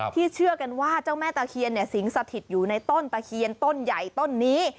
เชื่อกันว่าเจ้าแม่ตะเคียนสิงสถิตอยู่ในต้นตะเคียนต้นใหญ่ต้นนี้